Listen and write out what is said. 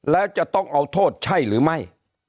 แล้วจะต้องเอาโทษใช่หรือไม่